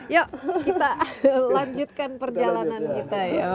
yuk kita lanjutkan perjalanan kita ya